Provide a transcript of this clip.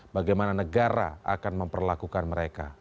bagaimana negara akan memperlakukan mereka